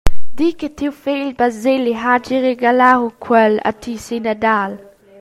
Di che tiu fegl Baseli hagi regalau quel a ti sin Nadal.»